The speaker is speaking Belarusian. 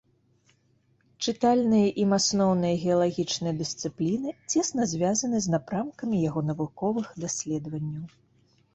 Чытальныя ім асноўныя геалагічныя дысцыпліны цесна звязаны з напрамкамі яго навуковых даследаванняў.